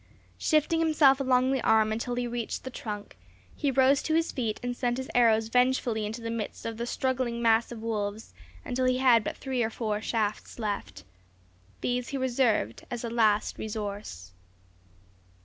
Shifting himself along the arm until he reached the trunk, he rose to his feet and sent his arrows vengefully into the midst of the struggling mass of wolves until he had but three or four shafts left. These he reserved as a last resource.